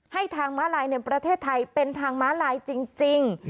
ทางม้าลายในประเทศไทยเป็นทางม้าลายจริง